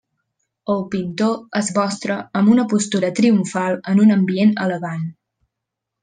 El pintor es mostra amb una postura triomfal en un ambient elegant.